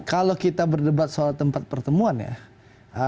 kalau kita berdebat soal tempat pertemuan ya